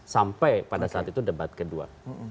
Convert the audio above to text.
sampai pada saat itu debat kedua